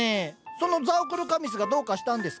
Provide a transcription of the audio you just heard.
そのザオクルカミスがどうかしたんですか？